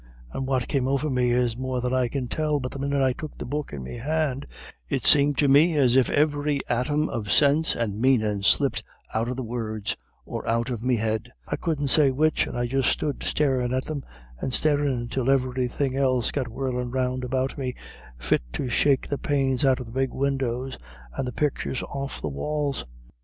And what came over me is more than I can tell, but the minute I took the book in me hand, it seemed to me as if ivery atom of sinse and manin' slipped out of the words, or out of me head I couldn't say which, and I just stood starin' at them and starin', till iverythin' else got whirlin' round about me, fit to shake the panes out of the big windows, and the pictures off the walls....